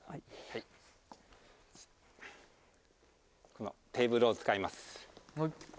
このテーブルを使います。